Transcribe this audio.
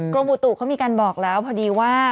อุตุเขามีการบอกแล้วพอดีว่า